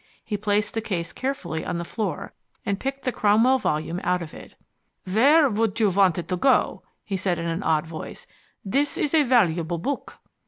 He placed the case carefully on the floor, and picked the Cromwell volume out of it. "Where would you want it to go?" he said in an odd voice. "This is a valuable book."